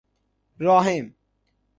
راحم